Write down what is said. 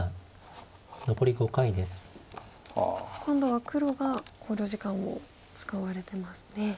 今度は黒が考慮時間を使われてますね。